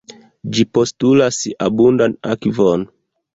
Ĝi postulas abundan akvon.